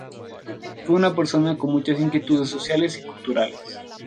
Fue una persona con muchas inquietudes sociales y culturales.